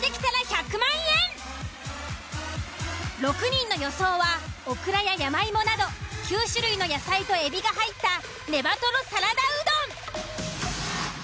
６人の予想はオクラや山芋など９種類の野菜とえびが入ったねばとろサラダうどん。